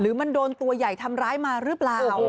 มันโดนตัวใหญ่ทำร้ายมาหรือเปล่า